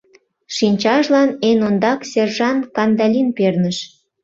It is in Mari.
Шинчажлан эн ондак сержант Кандалин перныш.